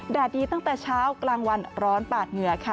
ดีตั้งแต่เช้ากลางวันร้อนปาดเหงื่อค่ะ